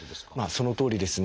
そのとおりですね。